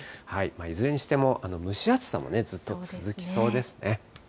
いずれにしても蒸し暑さもね、ずっと続きそうですね。